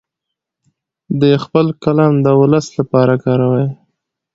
دی خپل قلم د ولس لپاره کاروي.